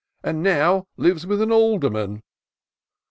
And now lives with an alderman.'